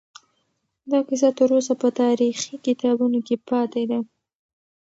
دا کیسه تر اوسه په تاریخي کتابونو کې پاتې ده.